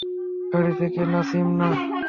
গাড়ি থেকে নামিস না।